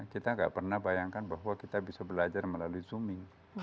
kita nggak pernah bayangkan bahwa kita bisa belajar melalui zooming